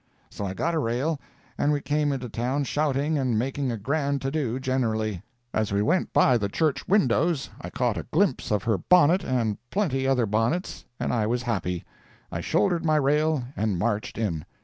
So I got a rail and we came into town shouting and making a grand to do generally. As we went by the church windows I caught a glimpse of her bonnet and plenty other bonnets, and I was happy. I shouldered my rail and marched in.